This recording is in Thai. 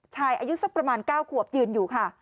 อายุสักประมาณ๙ขวบยืนอยู่ค่ะ